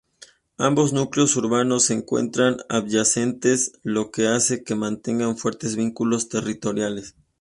Ambos núcleos urbanos se encuentran adyacentes lo que hace que mantengan fuertes vínculos territoriales.